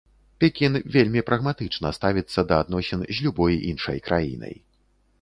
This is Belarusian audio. Пекін вельмі прагматычна ставіцца да адносін з любой іншай краінай.